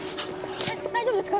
大丈夫ですか？